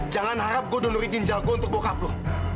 jangan harap gue donori tinjal gue untuk bokap lo